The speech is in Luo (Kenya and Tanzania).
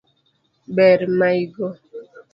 Ber maigo